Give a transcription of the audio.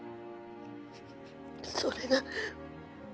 それが